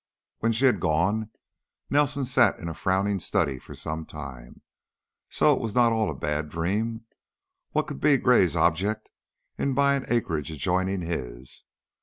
When she had gone Nelson sat in a frowning study for some time. So, it was not all a bad dream. What could be Gray's object in buying acreage adjoining his?